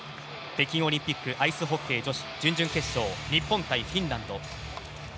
北京オリンピックアイスホッケー女子準々決勝日本対フィンランド。